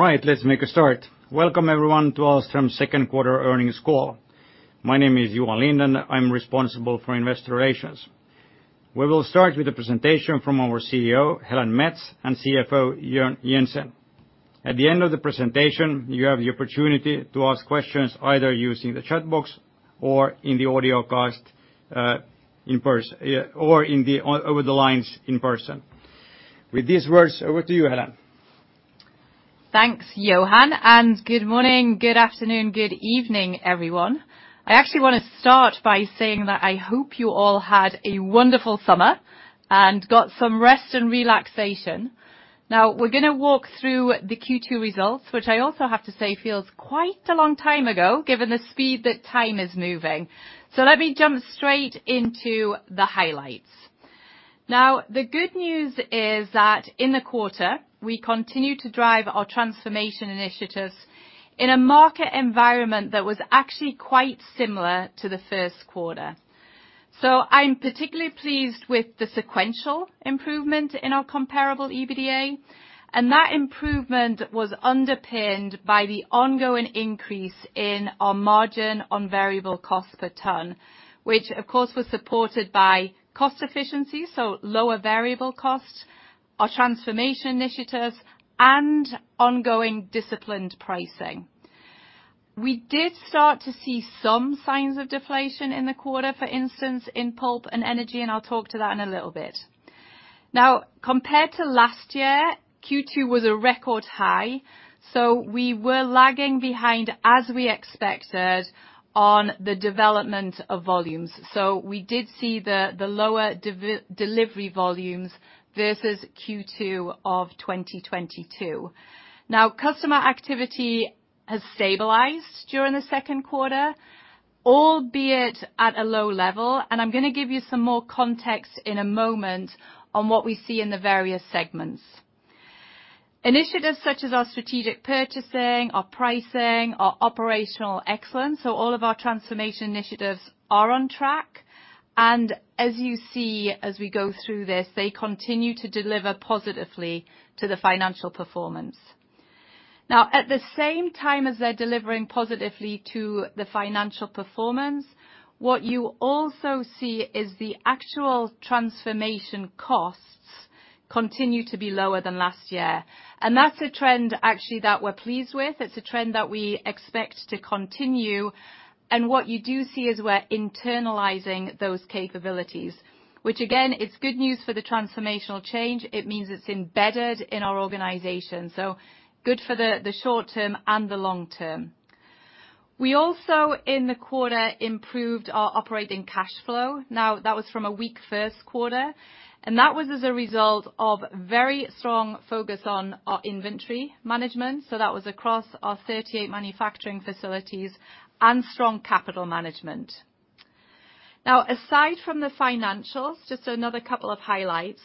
All right, let's make a start. Welcome, everyone, to Ahlstrom's second quarter earnings call. My name is Johan Lindh. I'm responsible for investor relations. We will start with a presentation from our CEO, Helen Mets, and CFO, Jorn Jensen. At the end of the presentation, you have the opportunity to ask questions, either using the chat box or in the audio cast, in person, or over the lines in person. With these words, over to you, Helen. Thanks, Johan, and good morning, good afternoon, good evening, everyone. I actually want to start by saying that I hope you all had a wonderful summer and got some rest and relaxation. Now, we're going to walk through the Q2 results, which I also have to say feels quite a long time ago, given the speed that time is moving. So let me jump straight into the highlights. Now, the good news is that in the quarter, we continued to drive our transformation initiatives in a market environment that was actually quite similar to the first quarter. So I'm particularly pleased with the sequential improvement in our comparable EBITDA, and that improvement was underpinned by the ongoing increase in our margin on variable cost per ton, which, of course, was supported by cost efficiency, so lower variable cost, our transformation initiatives, and ongoing disciplined pricing. We did start to see some signs of deflation in the quarter, for instance, in pulp and energy, and I'll talk to that in a little bit. Now, compared to last year, Q2 was a record high, so we were lagging behind, as we expected, on the development of volumes. So we did see the lower delivery volumes versus Q2 of 2022. Now, customer activity has stabilized during the second quarter, albeit at a low level, and I'm going to give you some more context in a moment on what we see in the various segments. Initiatives such as our strategic purchasing, our pricing, our operational excellence, so all of our transformation initiatives are on track. As you see, as we go through this, they continue to deliver positively to the financial performance. Now, at the same time as they're delivering positively to the financial performance, what you also see is the actual transformation costs continue to be lower than last year. That's a trend actually that we're pleased with. It's a trend that we expect to continue, and what you do see is we're internalizing those capabilities, which, again, is good news for the transformational change. It means it's embedded in our organization, so good for the short term and the long term. We also, in the quarter, improved our operating cash flow. Now, that was from a weak first quarter, and that was as a result of very strong focus on our inventory management, so that was across our 38 manufacturing facilities and strong capital management. Now, aside from the financials, just another couple of highlights.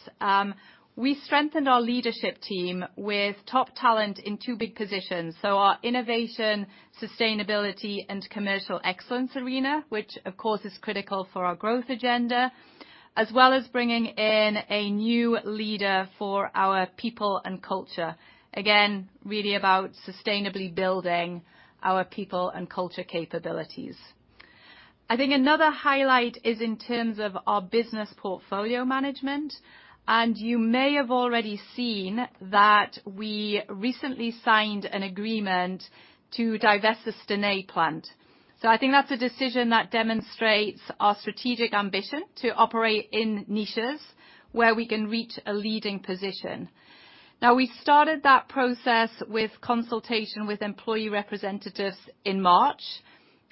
We strengthened our leadership team with top talent in two big positions, so our innovation, sustainability, and commercial excellence arena, which of course, is critical for our growth agenda, as well as bringing in a new leader for our people and culture. Again, really about sustainably building our people and culture capabilities. I think another highlight is in terms of our business portfolio management, and you may have already seen that we recently signed an agreement to divest the Stenay plant. So I think that's a decision that demonstrates our strategic ambition to operate in niches where we can reach a leading position. Now, we started that process with consultation with employee representatives in March,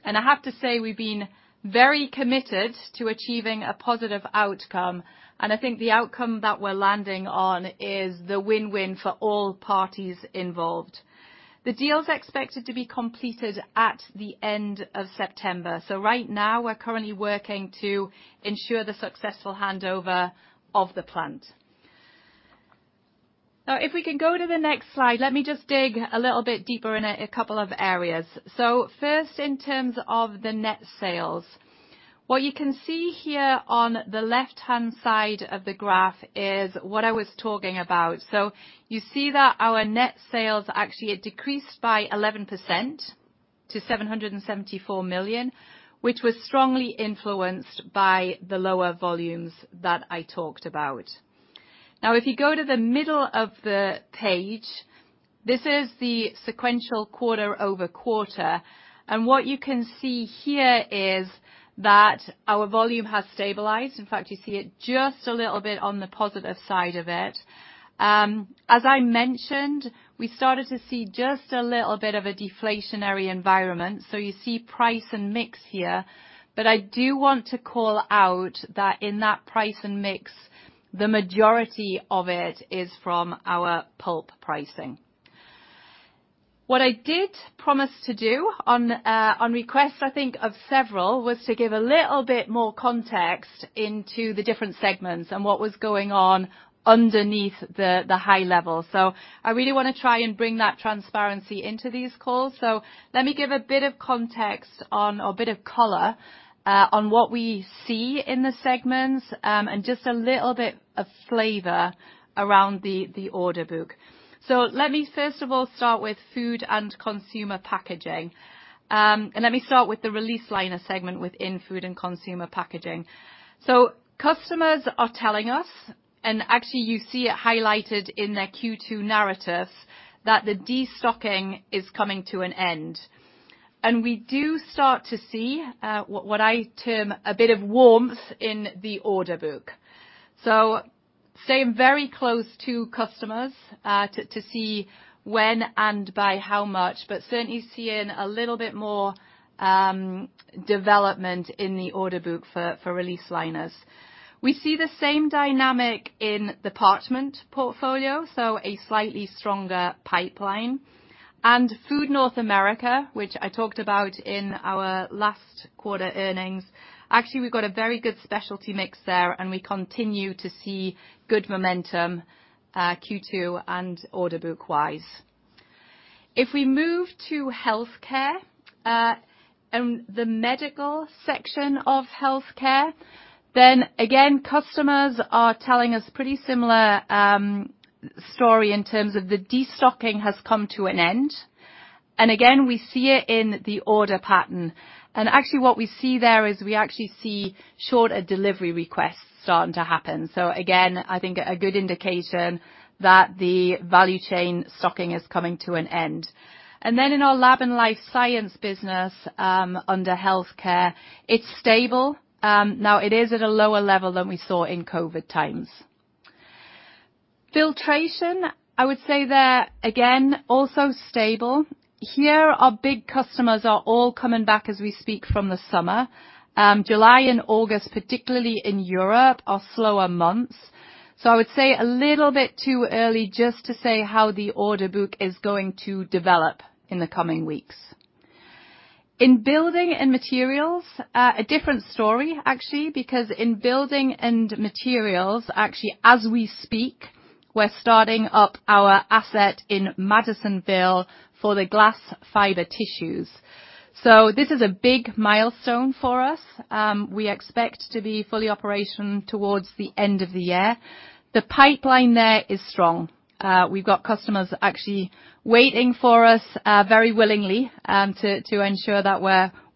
and I have to say, we've been very committed to achieving a positive outcome, and I think the outcome that we're landing on is the win-win for all parties involved. The deal is expected to be completed at the end of September. So right now, we're currently working to ensure the successful handover of the plant. Now, if we can go to the next slide, let me just dig a little bit deeper in a couple of areas. So first, in terms of the net sales. What you can see here on the left-hand side of the graph is what I was talking about. So you see that our net sales actually had decreased by 11% to 774 million, which was strongly influenced by the lower volumes that I talked about. Now, if you go to the middle of the page, this is the sequential quarter-over-quarter, and what you can see here is that our volume has stabilized. In fact, you see it just a little bit on the positive side of it. As I mentioned, we started to see just a little bit of a deflationary environment, so you see price and mix here, but I do want to call out that in that price and mix, the majority of it is from our pulp pricing. What I did promise to do on request, I think, of several, was to give a little bit more context into the different segments and what was going on underneath the high level. So I really want to try and bring that transparency into these calls. So let me give a bit of context on, or a bit of color, on what we see in the segments, and just a little bit of flavor around the order book. So let me first of all start with Food and Consumer Packaging. And let me start with the release liner segment within Food and Consumer Packaging. So customers are telling us, and actually you see it highlighted in their Q2 narratives, that the destocking is coming to an end. And we do start to see what I term a bit of warmth in the order book. So staying very close to customers to see when and by how much, but certainly seeing a little bit more development in the order book for release liners. We see the same dynamic in the parchment portfolio, so a slightly stronger pipeline. And Food North America, which I talked about in our last quarter earnings, actually, we've got a very good specialty mix there, and we continue to see good momentum Q2 and order book-wise. If we move to Healthcare, and the Medical section of Healthcare, then again, customers are telling us pretty similar story in terms of the destocking has come to an end. And again, we see it in the order pattern. And actually, what we see there is we actually see shorter delivery requests starting to happen. So again, I think a good indication that the value chain stocking is coming to an end. And then in our lab and life science business, under Healthcare, it's stable. Now it is at a lower level than we saw in COVID times. Filtration, I would say there, again, also stable. Here, our big customers are all coming back as we speak from the summer. July and August, particularly in Europe, are slower months, so I would say a little bit too early just to say how the order book is going to develop in the coming weeks. In Building and Materials, a different story, actually, because in Building and Materials, actually, as we speak, we're starting up our asset in Madisonville for the glass fiber tissues. So this is a big milestone for us. We expect to be fully operational towards the end of the year. The pipeline there is strong. We've got customers actually waiting for us, very willingly, to ensure that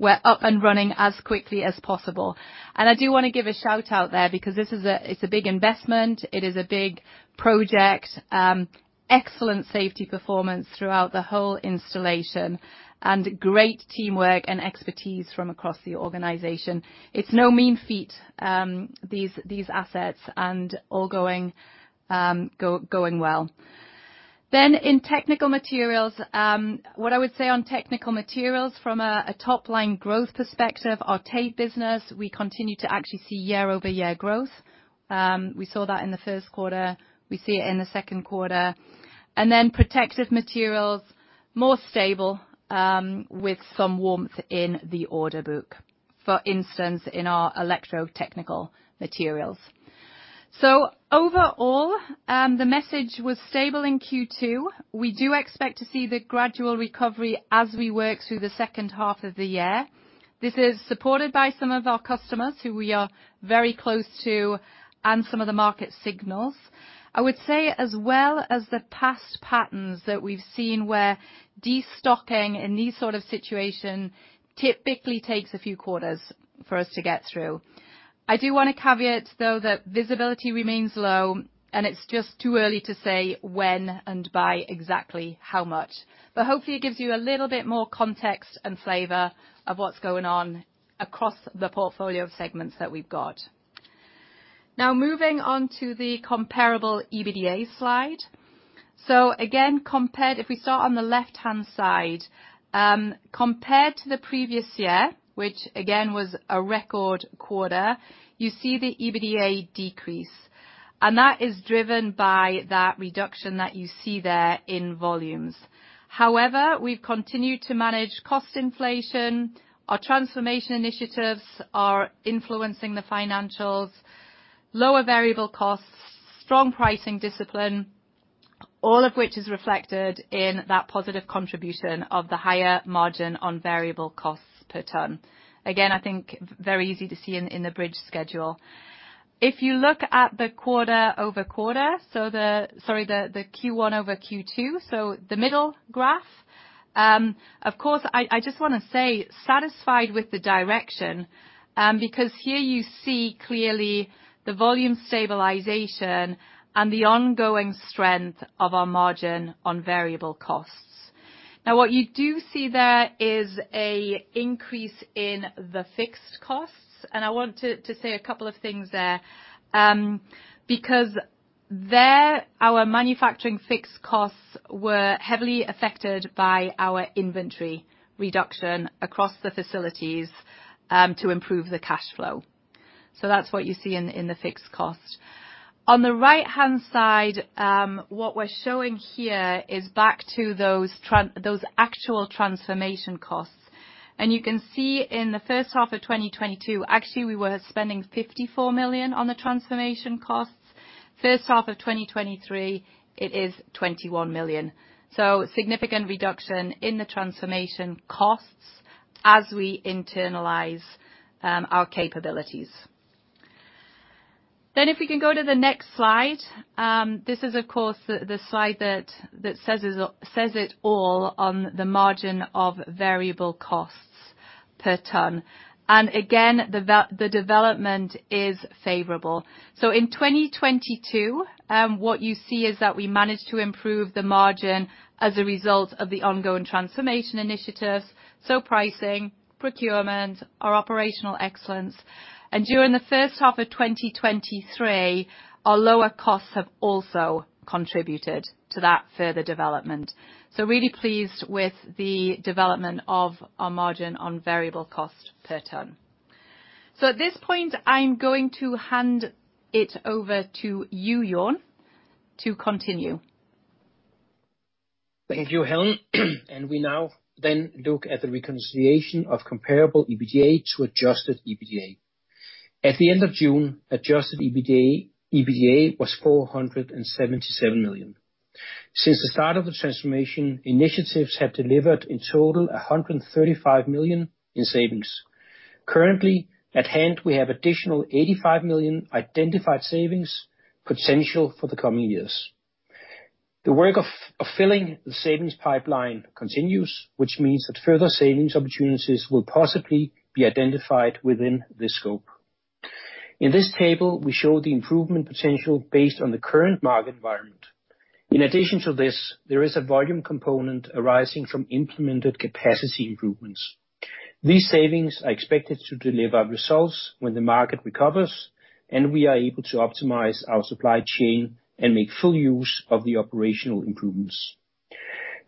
we're up and running as quickly as possible. And I do wanna give a shout-out there, because this is a, it's a big investment, it is a big project. Excellent safety performance throughout the whole installation and great teamwork and expertise from across the organization. It's no mean feat, these assets and all going well. Then in Technical Materials, what I would say on Technical Materials from a top-line growth perspective, our tape business, we continue to actually see year-over-year growth. We saw that in the first quarter, we see it in the second quarter. And then protective materials, more stable, with some warmth in the order book, for instance, in our Electrotechnical Materials. So overall, the message was stable in Q2. We do expect to see the gradual recovery as we work through the second half of the year. This is supported by some of our customers who we are very close to and some of the market signals. I would say as well as the past patterns that we've seen, where destocking in these sort of situation typically takes a few quarters for us to get through. I do want to caveat, though, that visibility remains low, and it's just too early to say when and by exactly how much. But hopefully, it gives you a little bit more context and flavor of what's going on across the portfolio of segments that we've got. Now, moving on to the comparable EBITDA slide. So again, compared... If we start on the left-hand side, compared to the previous year, which again, was a record quarter, you see the EBITDA decrease, and that is driven by that reduction that you see there in volumes. However, we've continued to manage cost inflation. Our transformation initiatives are influencing the financials, lower variable costs, strong pricing discipline, all of which is reflected in that positive contribution of the higher margin on variable costs per ton. Again, I think very easy to see in the bridge schedule. If you look at the quarter-over-quarter, so the Q1 over Q2, so the middle graph, of course, I just want to say, satisfied with the direction, because here you see clearly the volume stabilization and the ongoing strength of our margin on variable costs. Now, what you do see there is a increase in the fixed costs, and I want to say a couple of things there. Because there, our manufacturing fixed costs were heavily affected by our inventory reduction across the facilities, to improve the cash flow. So that's what you see in the fixed cost. On the right-hand side, what we're showing here is back to those actual transformation costs. And you can see in the first half of 2022, actually, we were spending 54 million on the transformation costs. First half of 2023, it is 21 million. So significant reduction in the transformation costs as we internalize our capabilities. Then if we can go to the next slide, this is, of course, the slide that says it all on the margin of variable costs per ton. And again, the development is favorable. So in 2022, what you see is that we managed to improve the margin as a result of the ongoing transformation initiatives, so pricing, procurement, our operational excellence. During the first half of 2023, our lower costs have also contributed to that further development. Really pleased with the development of our Margin on variable cost per ton. At this point, I'm going to hand it over to you, Jorn, to continue. Thank you, Helen. We now then look at the reconciliation of comparable EBITDA to adjusted EBITDA. At the end of June, adjusted EBITDA was 477 million. Since the start of the transformation, initiatives have delivered, in total, 135 million in savings. Currently, at hand, we have additional 85 million identified savings potential for the coming years. The work of filling the savings pipeline continues, which means that further savings opportunities will possibly be identified within this scope. In this table, we show the improvement potential based on the current market environment. In addition to this, there is a volume component arising from implemented capacity improvements. These savings are expected to deliver results when the market recovers, and we are able to optimize our supply chain and make full use of the operational improvements.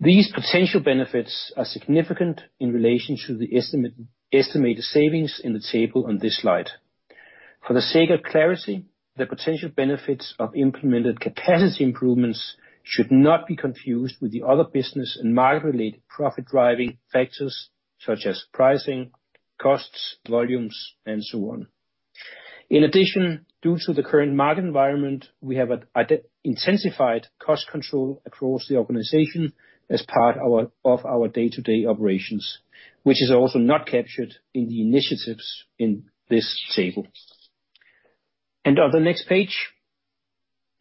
These potential benefits are significant in relation to the estimated savings in the table on this slide. For the sake of clarity, the potential benefits of implemented capacity improvements should not be confused with the other business and market-related profit-driving factors, such as pricing, costs, volumes, and so on. In addition, due to the current market environment, we have an intensified cost control across the organization as part of our day-to-day operations, which is also not captured in the initiatives in this table. On the next page,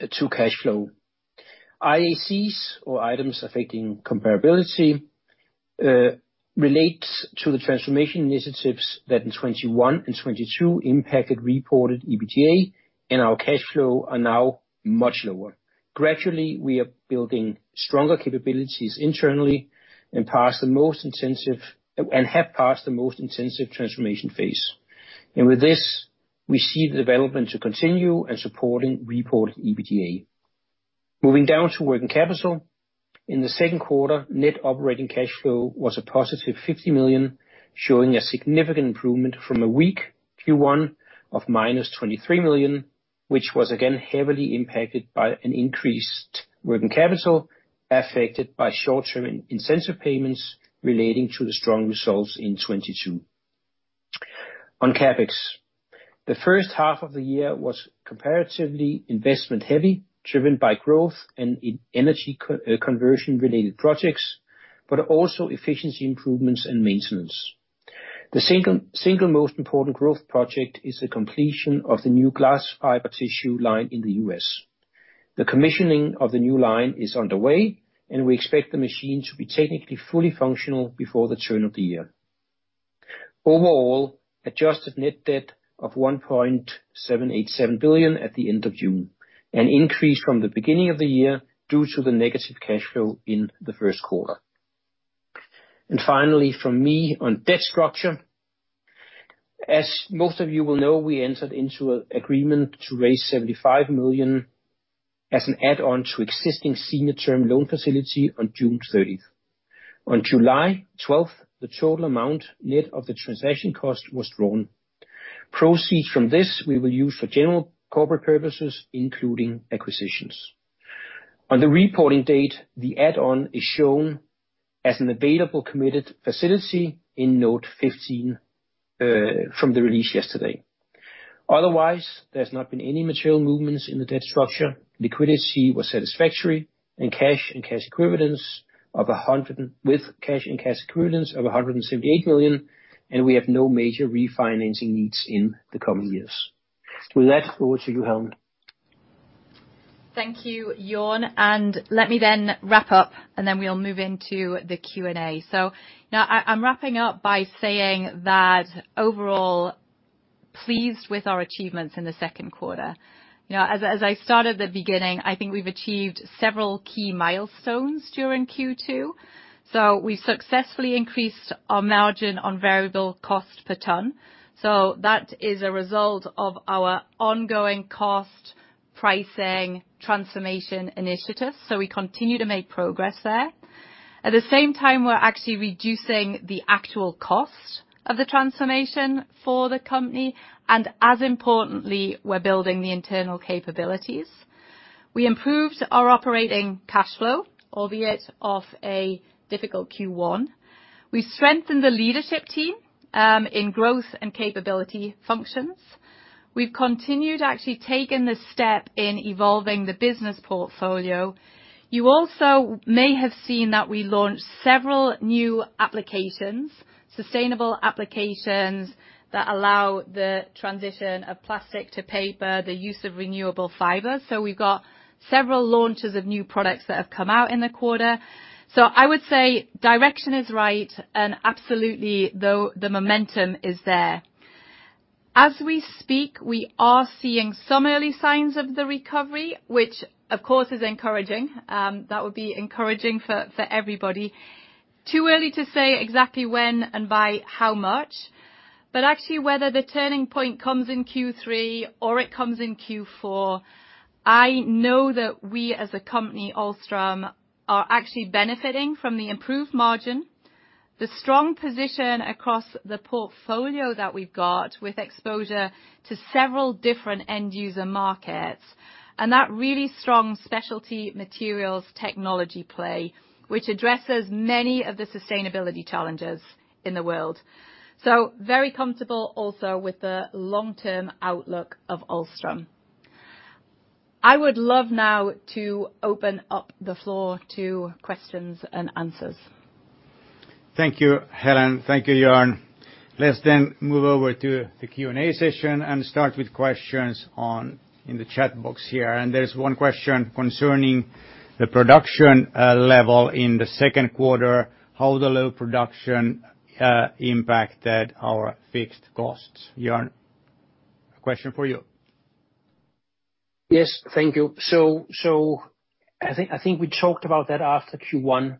to cash flow. IACs, or Items Affecting Comparability, relates to the transformation initiatives that in 2021 and 2022 impacted reported EBITDA, and our cash flow are now much lower. Gradually, we are building stronger capabilities internally and have passed the most intensive transformation phase. With this, we see the development to continue and supporting reported EBITDA. Moving down to working capital. In the second quarter, net operating cash flow was a positive 50 million, showing a significant improvement from a weak Q1 of minus 23 million, which was again heavily impacted by an increased working capital, affected by short-term incentive payments relating to the strong results in 2022. On CapEx, the first half of the year was comparatively investment heavy, driven by growth and energy conversion-related projects, but also efficiency improvements and maintenance. The single most important growth project is the completion of the new glass fiber tissue line in the U.S.. The commissioning of the new line is underway, and we expect the machine to be technically fully functional before the turn of the year. Overall, adjusted net debt of 1.787 billion at the end of June, an increase from the beginning of the year due to the negative cash flow in the first quarter. And finally, from me on debt structure, as most of you will know, we entered into an agreement to raise 75 million as an add-on to existing senior term loan facility on June 30. On July 12, the total amount, net of the transaction cost, was drawn. Proceeds from this we will use for general corporate purposes, including acquisitions. On the reporting date, the add-on is shown as an available committed facility in note 15, from the release yesterday. Otherwise, there's not been any material movements in the debt structure. Liquidity was satisfactory, and cash and cash equivalents of 178 million, and we have no major refinancing needs in the coming years. With that, over to you, Helen. Thank you, Jorn, and let me then wrap up, and then we'll move into the Q&A. So now I'm wrapping up by saying that overall, pleased with our achievements in the second quarter. You know, as I started at the beginning, I think we've achieved several key milestones during Q2. So we successfully increased our margin on variable cost per ton, so that is a result of our ongoing cost-pricing transformation initiatives, so we continue to make progress there. At the same time, we're actually reducing the actual cost of the transformation for the company, and as importantly, we're building the internal capabilities. We improved our operating cash flow, albeit off a difficult Q1. We strengthened the leadership team in growth and capability functions. We've continued actually taking the step in evolving the business portfolio. You also may have seen that we launched several new applications, sustainable applications, that allow the transition of plastic to paper, the use of renewable fiber. So we've got several launches of new products that have come out in the quarter. So I would say direction is right, and absolutely, though, the momentum is there. As we speak, we are seeing some early signs of the recovery, which of course, is encouraging. That would be encouraging for everybody. Too early to say exactly when and by how much, but actually, whether the turning point comes in Q3 or it comes in Q4, I know that we, as a company, Ahlstrom, are actually benefiting from the improved margin, the strong position across the portfolio that we've got with exposure to several different end user markets, and that really strong specialty materials technology play, which addresses many of the sustainability challenges in the world. So very comfortable also with the long-term outlook of Ahlstrom. I would love now to open up the floor to questions and answers. Thank you, Helen. Thank you, Jorn. Let's then move over to the Q&A session and start with questions on, in the chat box here. And there's one question concerning the production level in the second quarter, how the low production impacted our fixed costs. Jorn, a question for you. Yes, thank you. So I think we talked about that after Q1,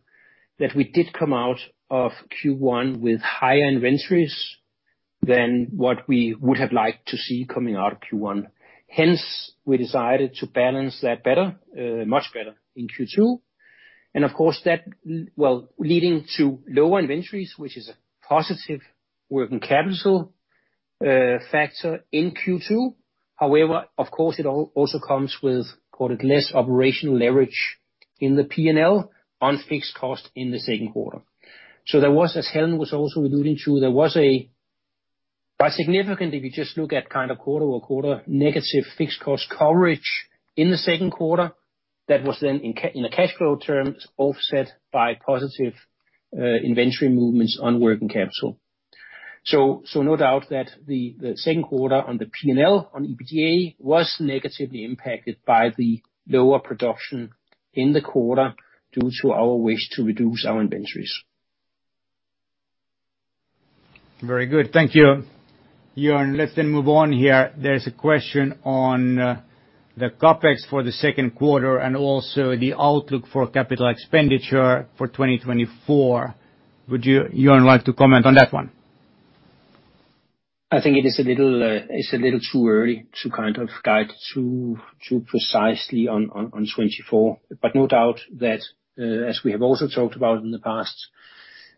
that we did come out of Q1 with higher inventories than what we would have liked to see coming out of Q1. Hence, we decided to balance that better, much better in Q2. And of course, leading to lower inventories, which is a positive working capital factor in Q2. However, of course, it also comes with, call it, less operational leverage in the P&L on fixed cost in the second quarter. So there was, as Helen was also alluding to, there was by significantly, we just look at kind of quarter-over-quarter, negative fixed cost coverage in the second quarter. That was then in in a cash flow terms, offset by positive inventory movements on working capital. So, no doubt that the second quarter on the P&L, on EBITDA, was negatively impacted by the lower production in the quarter due to our wish to reduce our inventories. Very good. Thank you, Jorn. Let's then move on here. There's a question on the CapEx for the second quarter and also the outlook for capital expenditure for 2024. Would you, Jorn, like to comment on that one? I think it is a little, it's a little too early to kind of guide too, too precisely on 2024. But no doubt that, as we have also talked about in the past,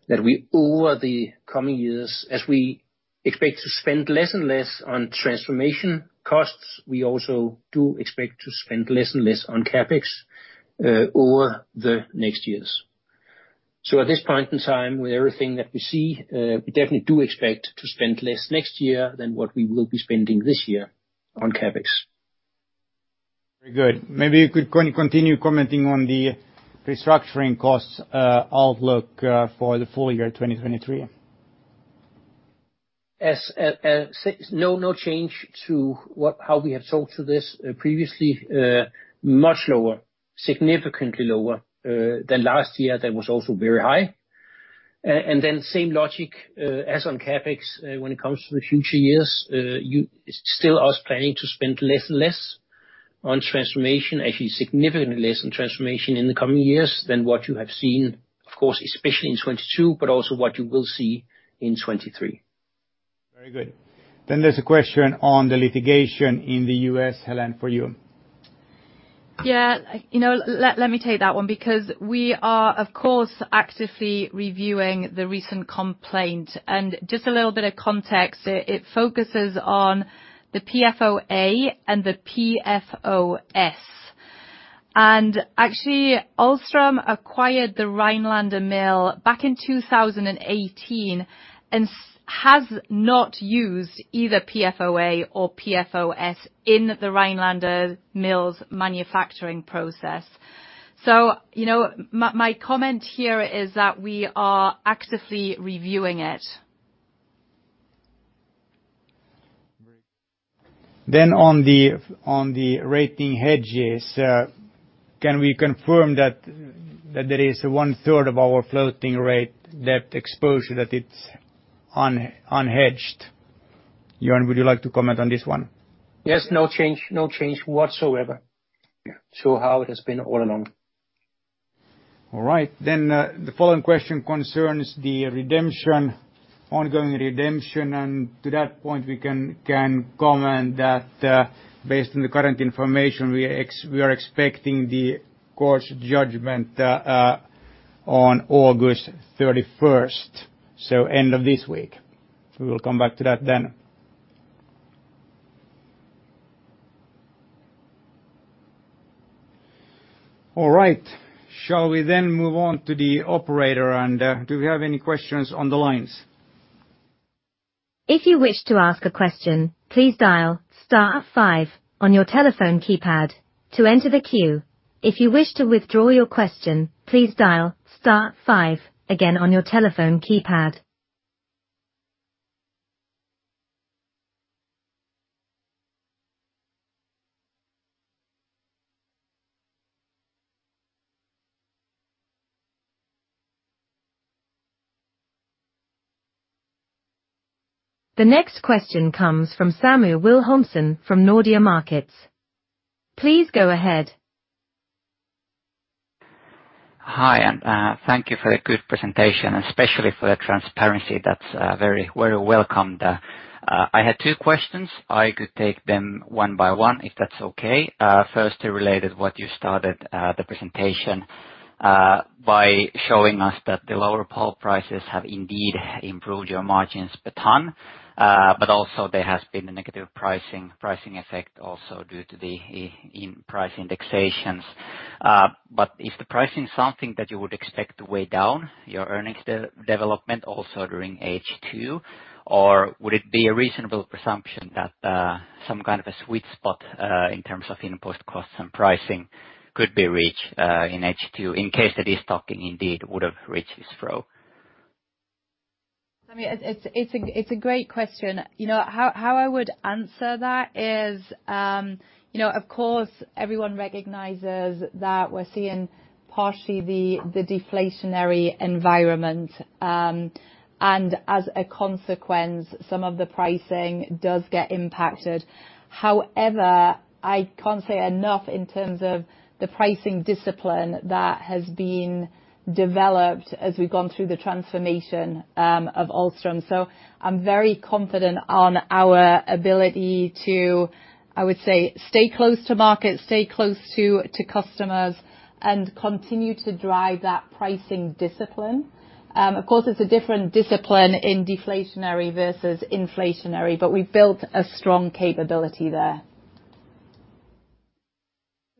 that we, over the coming years, as we expect to spend less and less on transformation costs, we also do expect to spend less and less on CapEx, over the next years. So at this point in time, with everything that we see, we definitely do expect to spend less next year than what we will be spending this year on CapEx. Very good. Maybe you could continue commenting on the restructuring costs outlook for the full year 2023? No change to what we've talked about previously, much lower, significantly lower than last year. That was also very high. And then same logic as on CapEx, when it comes to the future years, we're still planning to spend less and less on transformation, actually, significantly less on transformation in the coming years than what you have seen, of course, especially in 2022, but also what you will see in 2023. Very good. Then there's a question on the litigation in the U.S., Helen, for you. Yeah, you know, let me take that one, because we are, of course, actively reviewing the recent complaint. And just a little bit of context, it focuses on the PFOA and the PFOS. And actually, Ahlstrom acquired the Rhinelander mill back in 2018, and has not used either PFOA or PFOS in the Rhinelander mill's manufacturing process. So you know, my comment here is that we are actively reviewing it. On the rating hedges, can we confirm that there is one third of our floating rate debt exposure, that it's unhedged? Jorn, would you like to comment on this one? Yes, no change. No change whatsoever to how it has been all along. All right, then, the following question concerns the redemption, ongoing redemption, and to that point, we can comment that, based on the current information, we are expecting the court's judgment on August 31st, so end of this week. We will come back to that then. All right, shall we then move on to the operator, and do we have any questions on the lines? If you wish to ask a question, please dial star five on your telephone keypad to enter the queue. If you wish to withdraw your question, please dial star five again on your telephone keypad. The next question comes from Samu Wilhelmsson from Nordea Markets. Please go ahead. Hi, and, thank you for the good presentation, and especially for the transparency. That's very, very welcomed. I had two questions. I could take them one by one, if that's okay. First, related what you started, the presentation, by showing us that the lower pulp prices have indeed improved your margins a ton, but also there has been a negative pricing, pricing effect also due to the in price indexations. But is the pricing something that you would expect to weigh down your earnings development also during H2? Or would it be a reasonable presumption that some kind of a sweet spot in terms of input costs and pricing could be reached in H2, in case that this stock indeed would have reached this low? I mean, it's a great question. You know, how I would answer that is, you know, of course, everyone recognizes that we're seeing partially the deflationary environment, and as a consequence, some of the pricing does get impacted. However, I can't say enough in terms of the pricing discipline that has been developed as we've gone through the transformation of Ahlstrom. So I'm very confident on our ability to, I would say, stay close to market, stay close to customers, and continue to drive that pricing discipline. Of course, it's a different discipline in deflationary versus inflationary, but we've built a strong capability there.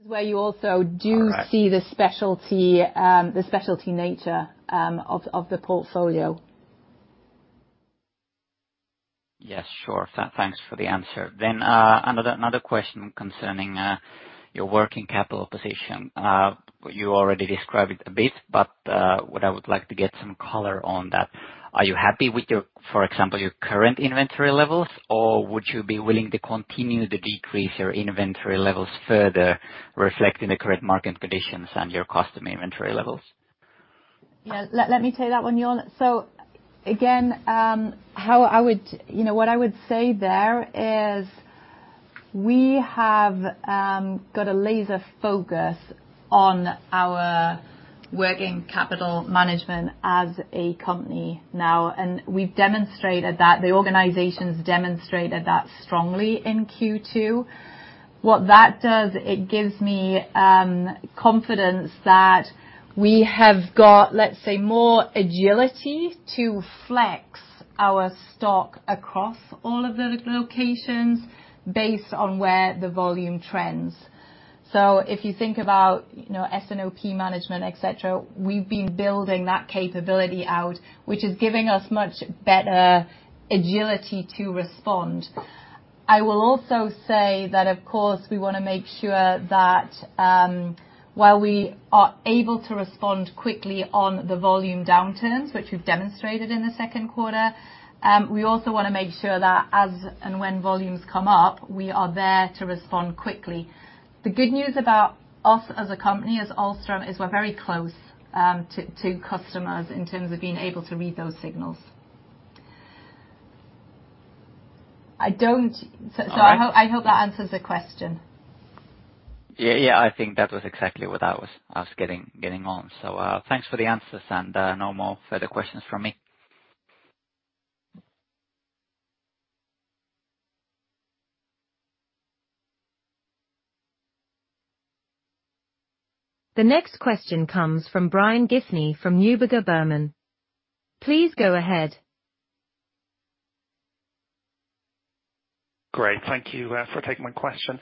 Where you also do- All right. See the specialty nature of the portfolio. Yes, sure. Thanks for the answer. Then, another question concerning your working capital position. You already described it a bit, but what I would like to get some color on that, are you happy with your, for example, your current inventory levels? Or would you be willing to continue to decrease your inventory levels further, reflecting the current market conditions and your custom inventory levels? Yeah. Let me take that one, Jorn. So again, how I would... You know, what I would say there is, we have got a laser focus on our working capital management as a company now, and we've demonstrated that, the organization's demonstrated that strongly in Q2. What that does, it gives me confidence that we have got, let's say, more agility to flex our stock across all of the locations based on where the volume trends. So if you think about, you know, S&OP management, et cetera, we've been building that capability out, which is giving us much better agility to respond. I will also say that, of course, we want to make sure that, while we are able to respond quickly on the volume downturns, which we've demonstrated in the second quarter, we also want to make sure that as and when volumes come up, we are there to respond quickly. The good news about us as a company, as Ahlstrom, is we're very close to customers in terms of being able to read those signals. I don't... All right. I hope, I hope that answers the question. Yeah, yeah, I think that was exactly what I was getting on. So, thanks for the answers, and no more further questions from me. The next question comes from Brian Gaffney from Neuberger Berman. Please go ahead. Great. Thank you for taking my question.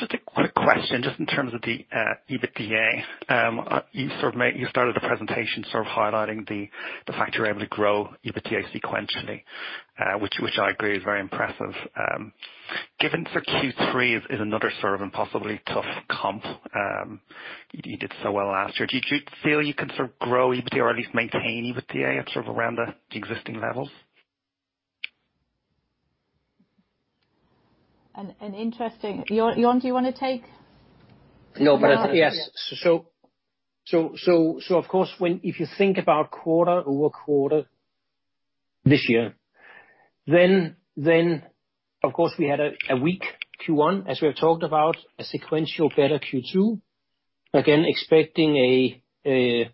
Just a quick question, just in terms of the EBITDA. You sort of started the presentation sort of highlighting the fact you're able to grow EBITDA sequentially, which I agree is very impressive. Given sort of Q3 is another sort of impossibly tough comp, you did so well last year. Do you feel you can sort of grow EBITDA or at least maintain EBITDA at sort of around the existing levels? An interesting... Jorn, do you want to take? No, but- Yes. So, of course, if you think about quarter-over-quarter this year. Then, of course, we had a weak Q1, as we have talked about, a sequential better Q2. Again, expecting a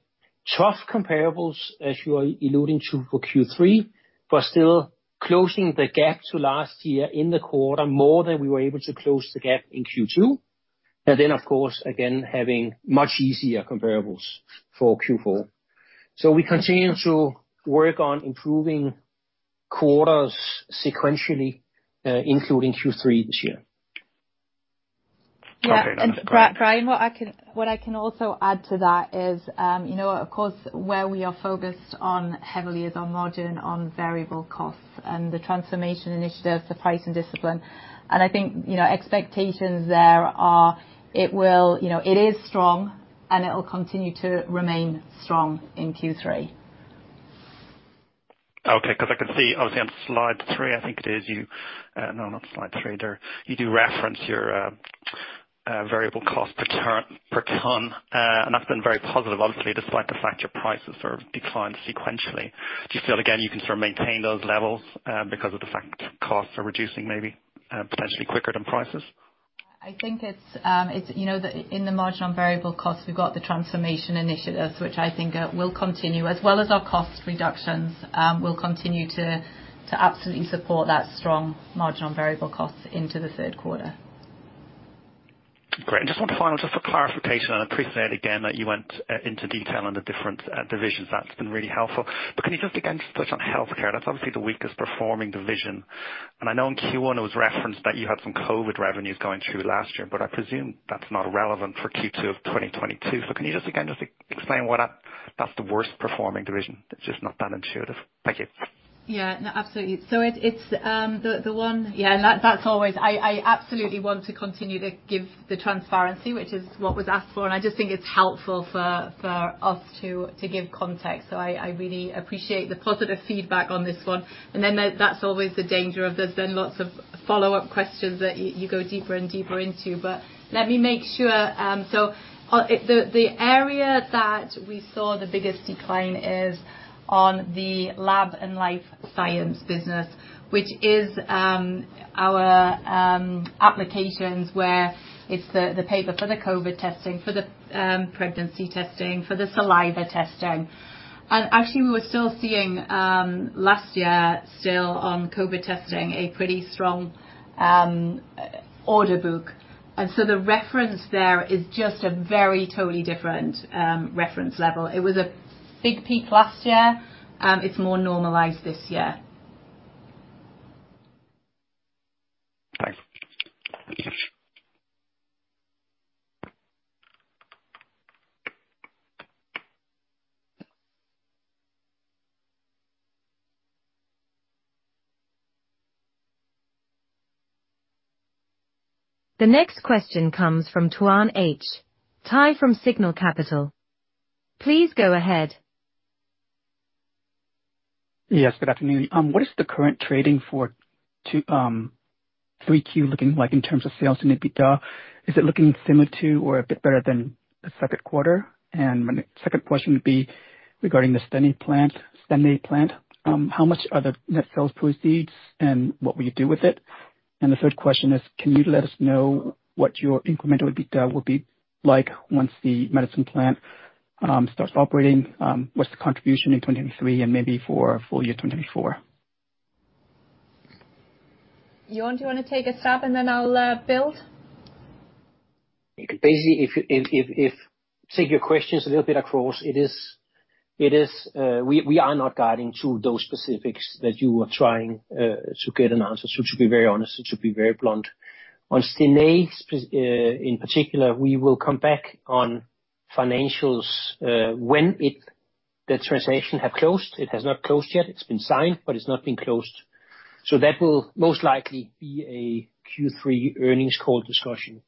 tough comparables, as you are alluding to, for Q3, but still closing the gap to last year in the quarter, more than we were able to close the gap in Q2. And then, of course, again, having much easier comparables for Q4. So we continue to work on improving quarters sequentially, including Q3 this year. Yeah, and Brian, what I can also add to that is, you know, of course, where we are focused on heavily is on margin, on variable costs and the transformation initiatives, the pricing discipline. And I think, you know, expectations there are. You know, it is strong, and it will continue to remain strong in Q3. Okay, 'cause I can see, obviously, on slide three, I think it is, you... No, not slide three. There. You do reference your variable cost per ton, and that's been very positive, obviously, despite the fact your prices have declined sequentially. Do you feel, again, you can sort of maintain those levels, because of the fact costs are reducing, maybe, potentially quicker than prices? I think it's, you know, the margin on variable costs. We've got the transformation initiatives, which I think will continue, as well as our cost reductions, will continue to absolutely support that strong margin on variable costs into the third quarter. Great. And just one final, just for clarification, and I appreciate, again, that you went into detail on the different divisions. That's been really helpful. But can you just again touch on healthcare? That's obviously the weakest performing division. And I know in Q1 it was referenced that you had some COVID revenues going through last year, but I presume that's not relevant for Q2 of 2022. So can you just, again, just explain why that, that's the worst performing division? It's just not that intuitive. Thank you. Yeah. No, absolutely. So it's the one. Yeah, and that's always - I absolutely want to continue to give the transparency, which is what was asked for, and I just think it's helpful for us to give context. So I really appreciate the positive feedback on this one. And then that's always the danger of there's been lots of follow-up questions that you go deeper and deeper into. But let me make sure, so the area that we saw the biggest decline is on the lab and life science business, which is our applications, where it's the paper for the COVID testing, for the pregnancy testing, for the saliva testing. And actually, we were still seeing last year, still on COVID testing, a pretty strong order book. And so the reference there is just a very totally different, reference level. It was a big peak last year, and it's more normalized this year. Thanks. The next question comes from Tuan H. Thai from Signal Capital. Please go ahead. Yes, good afternoon. What is the current trading for Q3 looking like in terms of sales and EBITDA? Is it looking similar to or a bit better than the second quarter? And my second question would be regarding the Stenay plant, Stenay plant. How much are the net sales proceeds, and what will you do with it? And the third question is, can you let us know what your incremental EBITDA will be like once the Madisonville plant starts operating? What's the contribution in 2023 and maybe for full year 2024? Jorn, do you want to take a stab and then I'll, build? Basically, if you take your questions a little bit across, it is we are not guiding to those specifics that you are trying to get an answer to, to be very honest and to be very blunt. On Stenay specifically, in particular, we will come back on financials when the transaction have closed. It has not closed yet. It's been signed, but it's not been closed. So that will most likely be a Q3 earnings call discussion.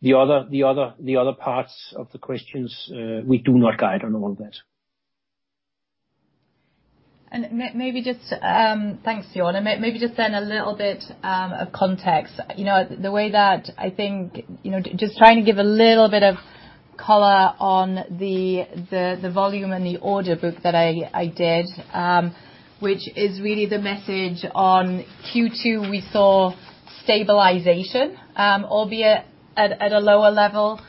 The other parts of the questions, we do not guide on all that. Maybe just, thanks, Jorn. Maybe just then a little bit of context. You know, the way that I think, you know, just trying to give a little bit of color on the volume and the order book that I did, which is really the message on Q2. We saw stabilization, albeit at a lower level.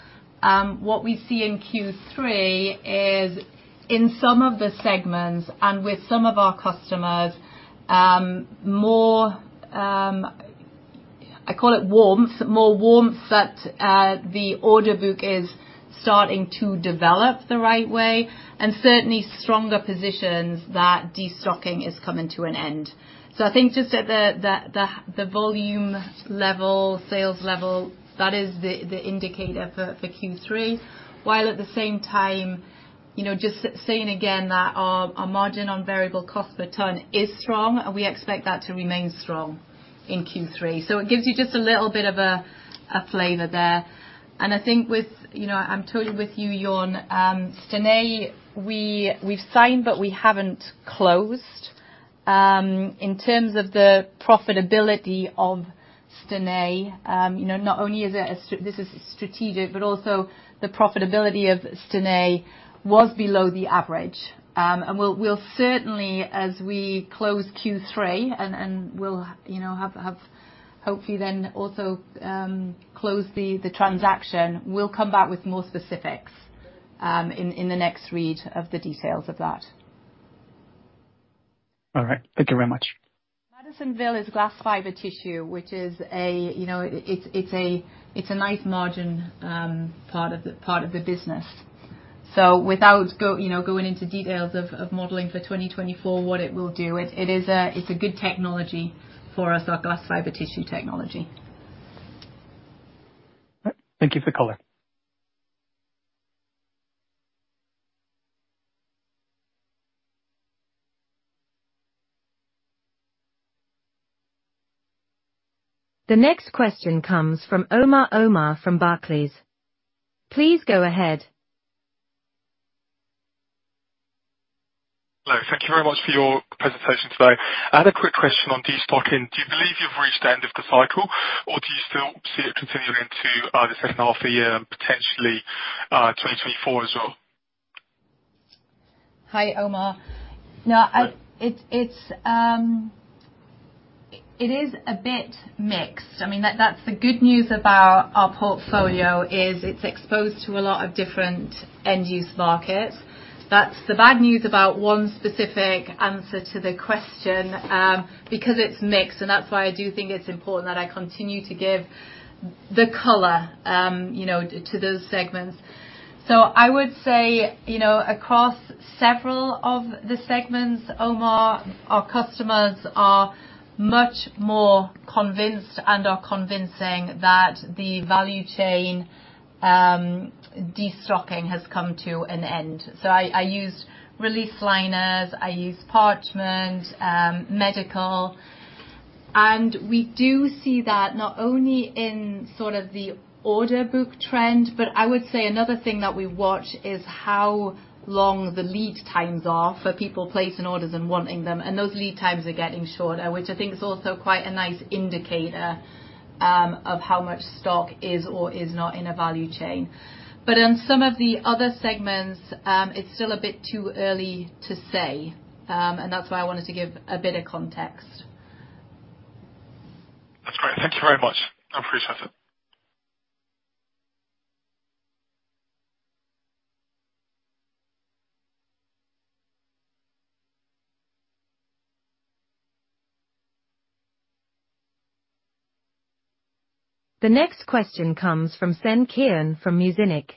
What we see in Q3 is, in some of the segments and with some of our customers, more, I call it warmth, more warmth, that the order book is starting to develop the right way, and certainly stronger positions that destocking is coming to an end. So I think just at the volume level, sales level, that is the indicator for Q3, while at the same time, you know, just saying again, that our margin on variable cost per ton is strong, and we expect that to remain strong in Q3. So it gives you just a little bit of a flavor there. And I think with... You know, I'm totally with you, Jorn. Stenay, we've signed, but we haven't closed. In terms of the profitability of Stenay, you know, not only is it strategic, but also the profitability of Stenay was below the average. We'll certainly, as we close Q3, and we'll, you know, have hopefully then also close the transaction. We'll come back with more specifics in the next read of the details of that. All right. Thank you very much. Madisonville is glass fiber tissue, which is a, you know, it's a nice margin part of the business. So without going into details of modeling for 2024, what it will do, it is a good technology for us, our glass fiber tissue technology. Thank you for the color. The next question comes from Omar Omar, from Barclays. Please go ahead. Hello. Thank you very much for your presentation today. I had a quick question on destocking. Do you believe you've reached the end of the cycle, or do you still see it continuing into the second half of the year and potentially 2024 as well? Hi, Omar. Now, I- Hi. It is a bit mixed. I mean, that's the good news about our portfolio is it's exposed to a lot of different end-use markets. That's the bad news about one specific answer to the question, because it's mixed, and that's why I do think it's important that I continue to give the color, you know, to those segments. So I would say, you know, across several of the segments, Omar, our customers are much more convinced and are convincing that the value chain destocking has come to an end. So I used release liners, I used parchment, medical. We do see that not only in sort of the order book trend, but I would say another thing that we watch is how long the lead times are for people placing orders and wanting them, and those lead times are getting shorter, which I think is also quite a nice indicator of how much stock is or is not in a value chain. But in some of the other segments, it's still a bit too early to say, and that's why I wanted to give a bit of context. That's great. Thank you very much. I appreciate it. The next question comes from Senan Kiran from Muzinich.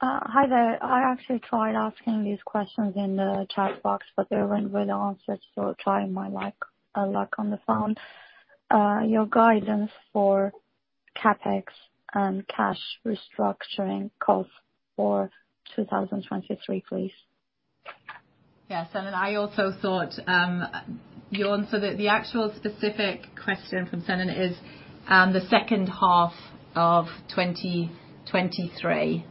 Hi there. I actually tried asking these questions in the chat box, but they weren't really answered, so trying my luck on the phone. Your guidance for CapEx and cash restructuring costs for 2023, please. Yeah, Senan, I also thought, you answer the, the actual specific question from Senan is, the second half of 2023,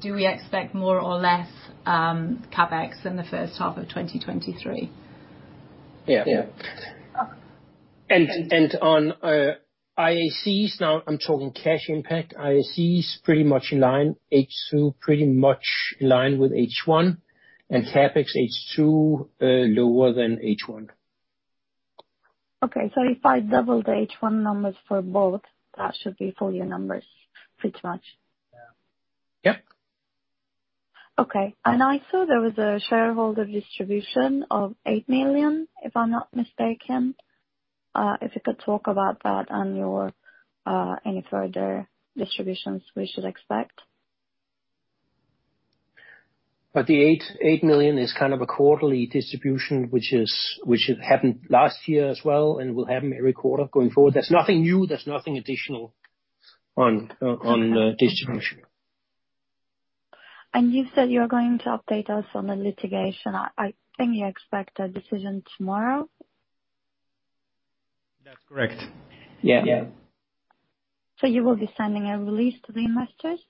do we expect more or less, CapEx than the first half of 2023? Yeah. Yeah. Okay. On IACs, now I'm talking cash impact, IAC is pretty much in line, H2 pretty much in line with H1, and CapEx, H2 lower than H1. Okay. So if I double the H1 numbers for both, that should be full year numbers, pretty much? Yeah. Yep. Okay. And I saw there was a shareholder distribution of 8 million, if I'm not mistaken. If you could talk about that and your any further distributions we should expect? But the 8 million is kind of a quarterly distribution, which happened last year as well, and will happen every quarter going forward. There's nothing new, there's nothing additional on the distribution. You said you are going to update us on the litigation. I think you expect a decision tomorrow? That's correct. Yeah. You will be sending a release to the investors?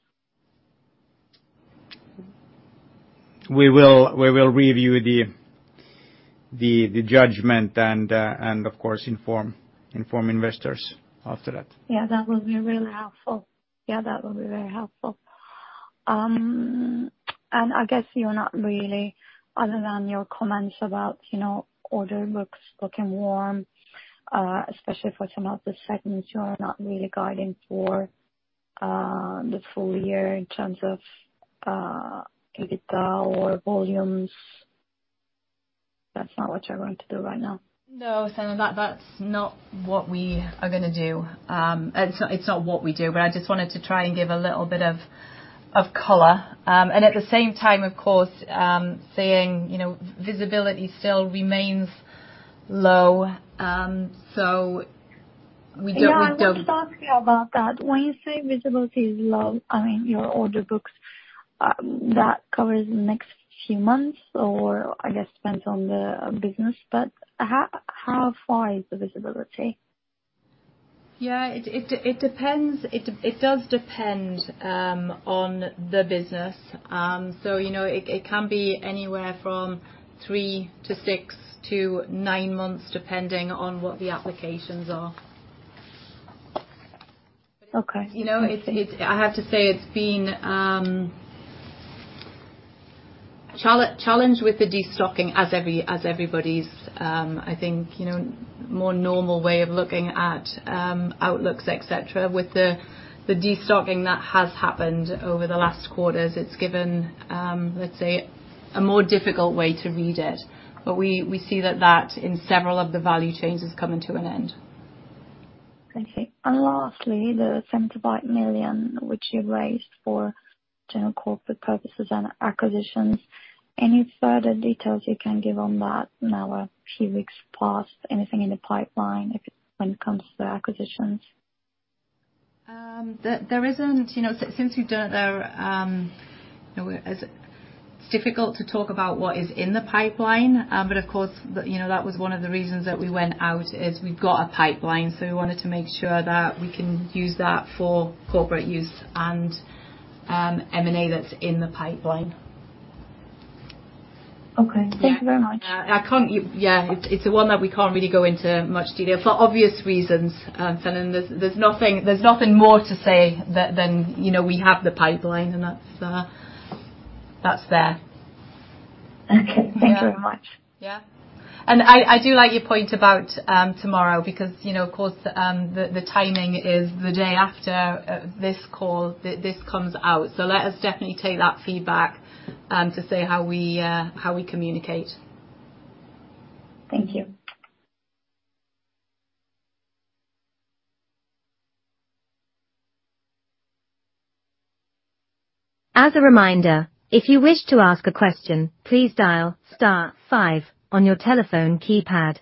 We will review the judgment and, of course, inform investors after that. Yeah, that will be really helpful. Yeah, that will be very helpful. And I guess you're not really, other than your comments about, you know, order books looking warm, especially for some of the segments, you are not really guiding for, the full year in terms of, EBITDA or volumes. That's not what you're going to do right now. No, Senan, that, that's not what we are gonna do. It's not, it's not what we do, but I just wanted to try and give a little bit of, of color. And at the same time, of course, saying, you know, visibility still remains low, so we don't, don't- Yeah, I wanted to ask you about that. When you say visibility is low, I mean, your order books, that covers the next few months, or I guess depends on the business, but how, how far is the visibility? Yeah, it depends. It does depend on the business. So, you know, it can be anywhere from 3 to 6 to 9 months, depending on what the applications are. Okay. You know, it's—I have to say, it's been challenged with the destocking as everybody's, I think, you know, more normal way of looking at outlooks, et cetera, with the destocking that has happened over the last quarters. It's given, let's say, a more difficult way to read it. But we see that, in several of the value chains, is coming to an end. Thank you. And lastly, the 78 million, which you raised for general corporate purposes and acquisitions, any further details you can give on that now a few weeks passed? Anything in the pipeline if, when it comes to the acquisitions? There isn't... You know, since we've done there, you know, it's difficult to talk about what is in the pipeline. But of course, you know, that was one of the reasons that we went out, is we've got a pipeline, so we wanted to make sure that we can use that for corporate use and M&A that's in the pipeline. Okay. Yeah. Thank you very much. I can't give. Yeah, it's the one that we can't really go into much detail, for obvious reasons, Senan. There's nothing more to say than, you know, we have the pipeline, and that's there. Okay. Yeah. Thank you very much. Yeah. And I do like your point about tomorrow, because, you know, of course, the timing is the day after this call, this comes out. So let us definitely take that feedback to see how we communicate. Thank you. As a reminder, if you wish to ask a question, please dial star five on your telephone keypad.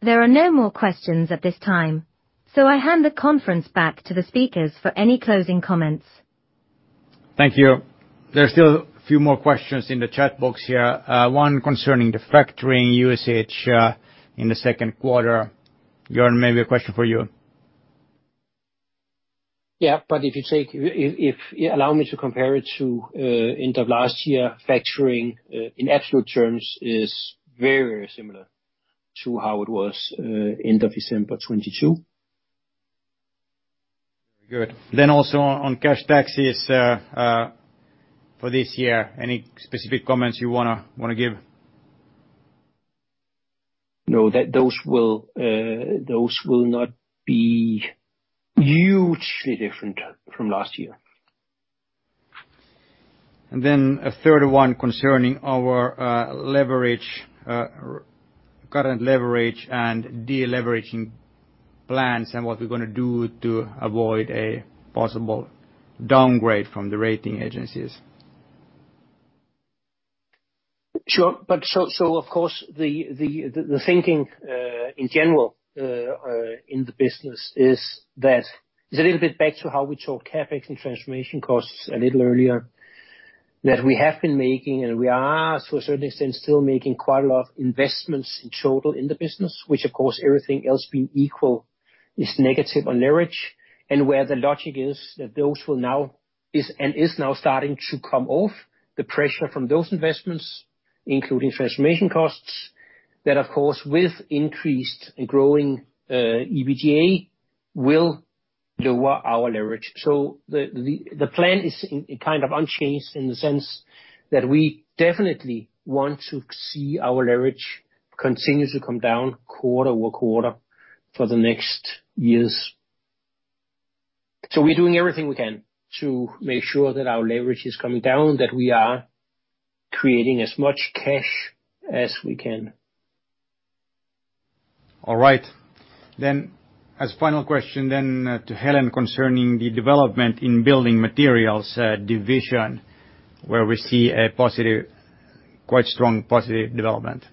There are no more questions at this time, so I hand the conference back to the speakers for any closing comments. Thank you. There are still a few more questions in the chat box here. One concerning the factoring usage in the second quarter. Jorn, maybe a question for you. Yeah, but if you take... Yeah, allow me to compare it to end of last year. Factoring in absolute terms is very similar to how it was end of December 2022. Very good. Then also on cash taxes for this year, any specific comments you wanna give? No. That, those will not be hugely different from last year. And then a third one concerning our leverage, current leverage and de-leveraging plans, and what we're gonna do to avoid a possible downgrade from the rating agencies. Sure. But so of course, the thinking in general in the business is that is a little bit back to how we talked CapEx and transformation costs a little earlier. That we have been making, and we are, to a certain extent, still making quite a lot of investments in total in the business, which of course, everything else being equal, is negative on leverage. And where the logic is, that those will now now starting to come off, the pressure from those investments, including transformation costs, that, of course, with increased and growing EBITDA, will lower our leverage. So the plan is kind of unchanged in the sense that we definitely want to see our leverage continue to come down quarter-over-quarter for the next years. We're doing everything we can to make sure that our leverage is coming down, that we are creating as much cash as we can. All right. Then as final question then, to Helen, concerning the development in Building Materials division, where we see a positive, quite strong, positive development.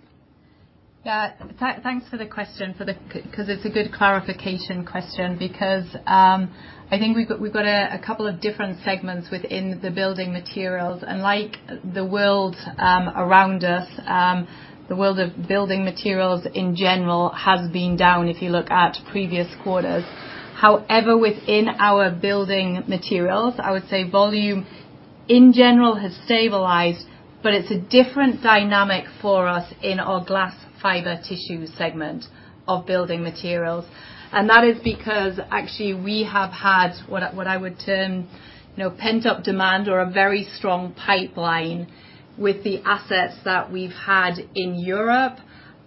Yeah. Thanks for the question, for the... 'cause it's a good clarification question. Because, I think we've got, we've got a couple of different segments within the building materials. And like the world around us, the world of building materials, in general, has been down, if you look at previous quarters. However, within our building materials, I would say volume, in general, has stabilized, but it's a different dynamic for us in our glass fiber tissue segment of building materials. And that is because actually we have had what I, what I would term, you know, pent-up demand or a very strong pipeline with the assets that we've had in Europe,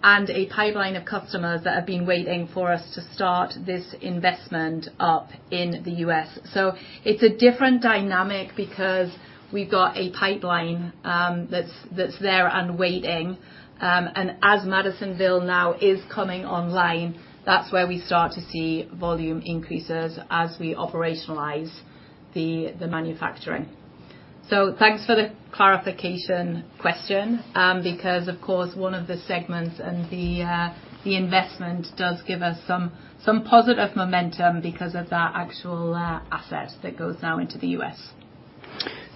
and a pipeline of customers that have been waiting for us to start this investment up in the U.S.. So it's a different dynamic because we've got a pipeline, that's there and waiting. And as Madisonville now is coming online, that's where we start to see volume increases as we operationalize the manufacturing. So thanks for the clarification question, because, of course, one of the segments and the investment does give us some positive momentum because of that actual asset that goes now into the U.S.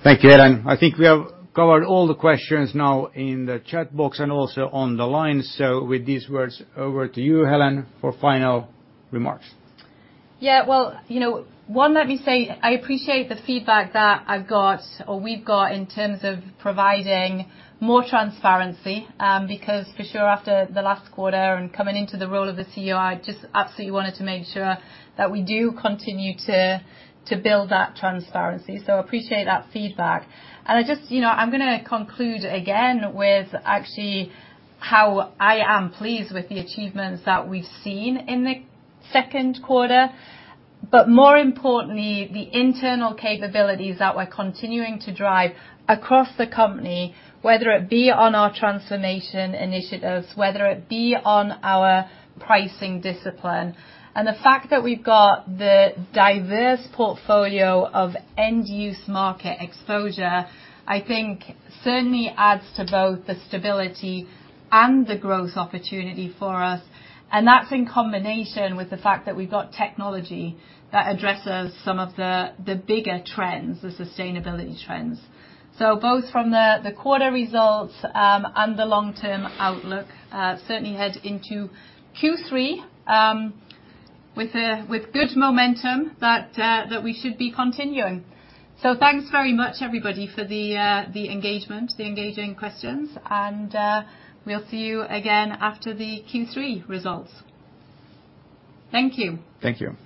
Thank you, Helen. I think we have covered all the questions now in the chat box and also on the line. With these words, over to you, Helen, for final remarks. Yeah. Well, you know, one, let me say, I appreciate the feedback that I've got, or we've got, in terms of providing more transparency. Because for sure, after the last quarter and coming into the role of the CEO, I just absolutely wanted to make sure that we do continue to build that transparency. So appreciate that feedback. And I just, you know, I'm gonna conclude again with actually how I am pleased with the achievements that we've seen in the second quarter, but more importantly, the internal capabilities that we're continuing to drive across the company, whether it be on our transformation initiatives, whether it be on our pricing discipline. And the fact that we've got the diverse portfolio of end-use market exposure, I think certainly adds to both the stability and the growth opportunity for us. And that's in combination with the fact that we've got technology that addresses some of the, the bigger trends, the sustainability trends. So both from the, the quarter results, and the long-term outlook, certainly head into Q3, with a, with good momentum that, that we should be continuing. So thanks very much, everybody, for the, the engagement, the engaging questions, and, we'll see you again after the Q3 results. Thank you. Thank you.